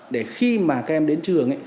để khi mà các em đến trường